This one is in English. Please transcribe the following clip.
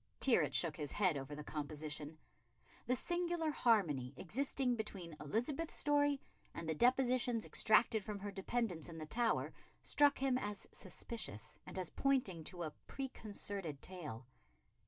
Tyrwhitt shook his head over the composition. The singular harmony existing between Elizabeth's story and the depositions extracted from her dependants in the Tower struck him as suspicious, and as pointing to a preconcerted tale.